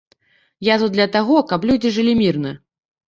Я тут для таго, каб людзі жылі мірна.